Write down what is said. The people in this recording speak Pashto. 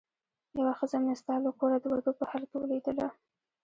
یوه ښځه مې ستا له کوره د وتو په حال کې ولیدله.